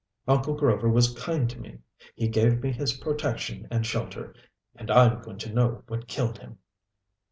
Uncle Grover was kind to me, he gave me his protection and shelter and I'm going to know what killed him!"